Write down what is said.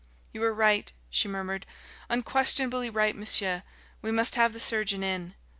"You are right," she murmured "unquestionably right, monsieur. We must have the surgeon in...."